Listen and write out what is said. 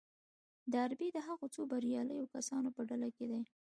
ډاربي د هغو څو برياليو کسانو په ډله کې دی.